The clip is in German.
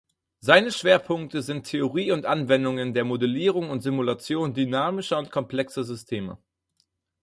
Seine Schwerpunkte sind Theorie und Anwendungen der Modellierung und Simulation dynamischer und komplexer Systeme.